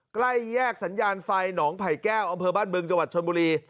ใกล้แยกสัญญาณไฟหนองไผ่แก้วอำเภอบ้านบึงจังหวัดชนบุรี